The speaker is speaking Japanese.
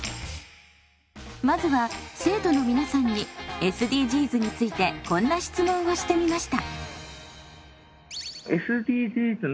まずは生徒の皆さんにＳＤＧｓについてこんな質問をしてみました。